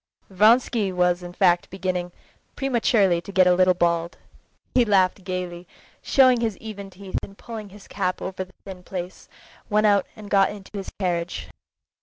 Vronsky was in fact beginning, prematurely, to get a little bald. He laughed gaily, showing his even teeth, and pulling his cap over the thin place, went out and got into his carriage.